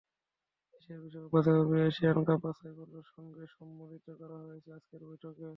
এশিয়ার বিশ্বকাপ বাছাইপর্বকে Asian cup বাছাইপর্বের সঙ্গে সমন্বিতও করা হয়েছে আজকের বৈঠকে।